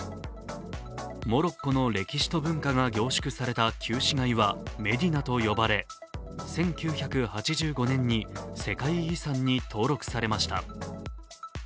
モロッコの歴史と文化が凝縮された旧市街はメディナと呼ばれ、１９８５年に世界遺産に登録されました。